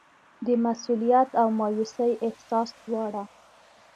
د مسوولیت او مایوسۍ احساس دواړه.